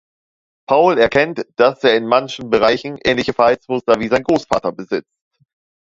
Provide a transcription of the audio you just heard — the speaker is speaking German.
Paul erkennt, dass er in manchen Bereichen ähnliche Verhaltensmuster wie sein Großvater besitzt.